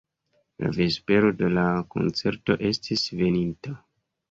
La vespero de la koncerto estis veninta.